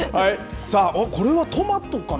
さあ、これはトマトかな。